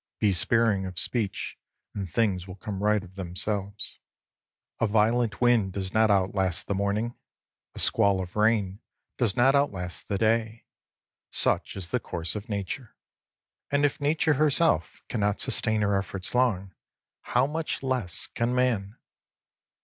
Be sparing of speech, and things will come right of themselves. A violent wind does not outlast the morning ; a squall of rain does not outlast the day. Such is the course of Nature. And if Nature herself cannot sustain her efforts long, how much less can man